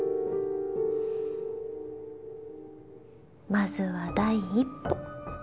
まずは第一歩。